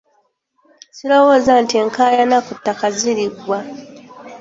Sirowooza nti enkaayana ku ttaka ziriggwa.